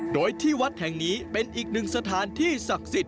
โดยที่วัดแห่งนี้เป็นอีกหนึ่งสถานที่ศักดิ์สิทธิ